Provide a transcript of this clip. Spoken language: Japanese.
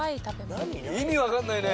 意味わかんないね。